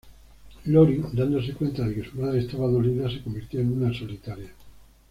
Laurie dándose cuenta de que su madre estaba dolida se convirtió en una solitaria.